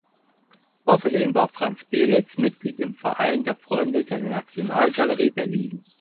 Außerdem war Franz Belitz Mitglied im Verein der Freunde der Nationalgalerie Berlin.